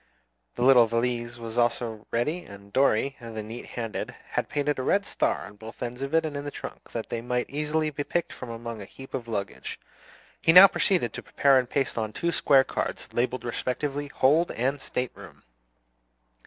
The little valise was also ready; and Dorry, the neat handed, had painted a red star on both ends of both it and the trunk, that they might be easily picked from among a heap of luggage. He now proceeded to prepare and paste on two square cards, labelled respectively, "Hold" and "State room."